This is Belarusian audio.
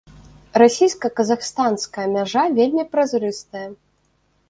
Расійска-казахстанская мяжа вельмі празрыстая.